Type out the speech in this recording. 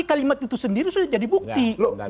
kalimat itu sendiri sudah jadi bukti